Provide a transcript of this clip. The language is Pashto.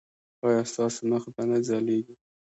ایا ستاسو مخ به نه ځلیږي؟